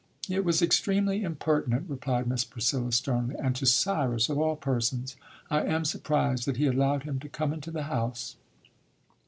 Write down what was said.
"It was extremely impertinent," replied Miss Priscilla sternly, "and to Cyrus of all persons! I am surprised that he allowed him to come into the house."